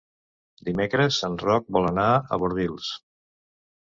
Dimecres en Roc vol anar a Bordils.